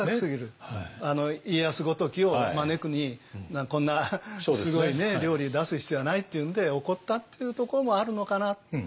家康ごときを招くにこんなすごい料理出す必要はないっていうんで怒ったっていうところもあるのかな。